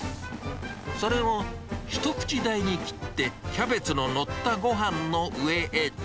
それを一口大に切って、キャベツの載ったごはんの上へ。